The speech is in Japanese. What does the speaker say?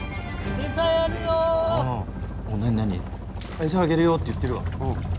エサあげるよって言ってるわ。